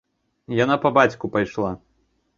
Яна па бацьку пайшла.